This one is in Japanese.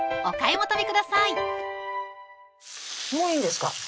もういいんですか？